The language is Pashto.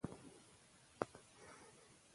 فيمينستي ادبي فکر د شلمې پېړيو په وروستيو لسيزو کې